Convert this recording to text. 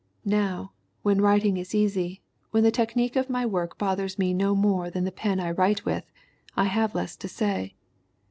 Now, when writing is easy, when the technique of my work bothers me no more than the pen I write with, I have less to say.